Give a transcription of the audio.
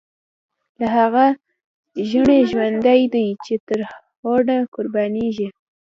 لا هغه ژڼۍ ژوندۍ دی، چی تر هوډه قربانیږی